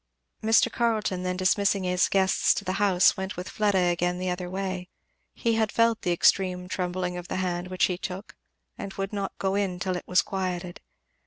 Mr. Carleton then dismissing his guests to the house, went with Fleda again the other way. He had felt the extreme trembling of the hand which he took, and would not go in till it was quieted.